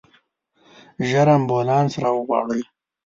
ژر امبولانس راوغواړئ.